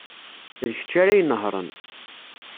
D kečč ara inehṛen.